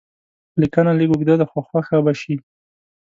لیکنه لږ اوږده ده خو خوښه به شي.